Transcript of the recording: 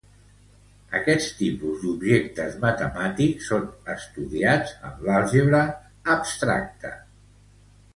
Aquests tipus d'objectes matemàtics són estudiats en àlgebra abstracta.